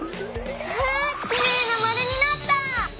わあきれいなまるになった！